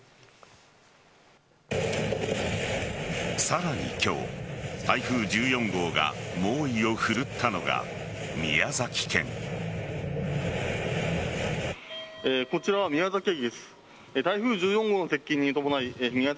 さらに今日台風１４号が猛威を振るったのが宮崎県。